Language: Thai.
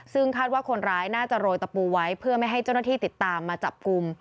ซึ่งคาดว่าคนร้ายน่าจะโรยตะปูไว้เพื่อไม่ให้เจ้าหน้าที่ติดตามมาจับกลุ่ม